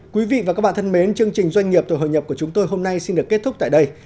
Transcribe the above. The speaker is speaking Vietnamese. quý vị và các bạn thân mến chương trình doanh nghiệp và hội nhập của chúng tôi hôm nay xin được kết thúc tại đây